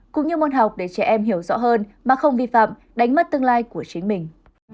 cũng như môn học để trẻ em hiểu rõ hơn mà không vi phạm đánh mất tương lai của chính mình